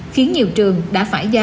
khiến nhiều trường đã phải dừng lại